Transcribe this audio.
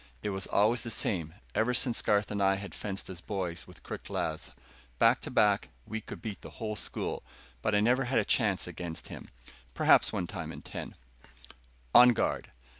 It was always the same, ever since Garth and I had fenced as boys with crooked laths. Back to back, we could beat the whole school, but I never had a chance against him. Perhaps one time in ten "On guard!"